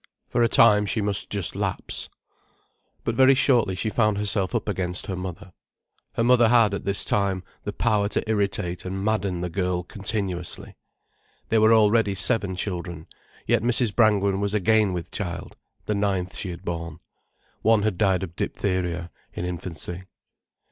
For a time she must just lapse. But very shortly she found herself up against her mother. Her mother had, at this time, the power to irritate and madden the girl continuously. There were already seven children, yet Mrs. Brangwen was again with child, the ninth she had borne. One had died of diphtheria in infancy.